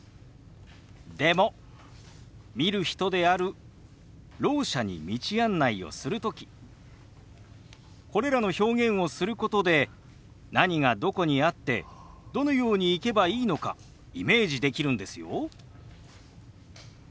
でも見る人であるろう者に道案内をする時これらの表現をすることで何がどこにあってどのように行けばいいのかイメージできるんですよ。